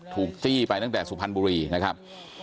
จี้ไปตั้งแต่สุพรรณบุรีนะครับ